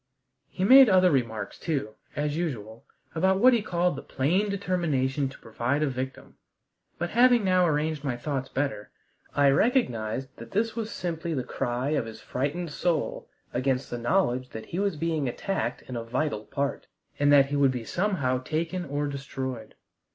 He made other remarks too, as usual, about what he called the "plain determination to provide a victim"; but, having now arranged my thoughts better, I recognized that this was simply the cry of his frightened soul against the knowledge that he was being attacked in a vital part, and that he would be somehow taken or destroyed.